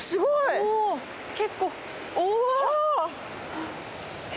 結構おお！